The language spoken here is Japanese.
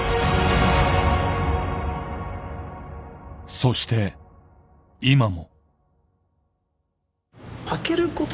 そして今も。